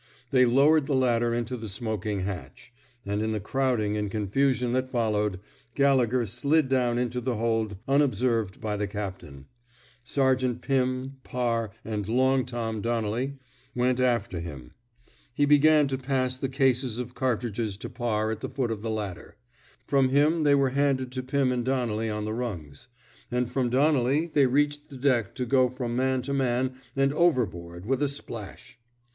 They lowered the ladder into the smoking hatch; and, in the crowding and confusion that followed, Gallegher slid down into the hold unob served by the captain. Sergeant Pim, Parr, and Long Tom " Donnelly went after 40 A CHARGE OF COWARDICE him. He began to pass the cases of car tridges to Parr at the foot of the ladder; from him they were handed to Pim and Donnelly on the rungs; and from Donnelly they reached the deck to go from man to man and overboard with a splash.